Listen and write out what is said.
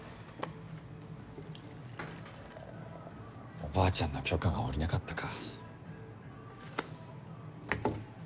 おばあちゃんの許可が下りなかったか。